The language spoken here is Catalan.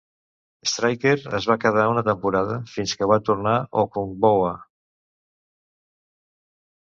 Stryker es va quedar una temporada, fins que va tornar Okungbowa.